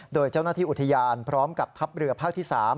โดยเจ้าหน้าที่อุทยานพร้อมกับทัพเรือภาคที่๓